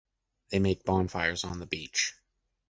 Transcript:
They make bonfires on the beach.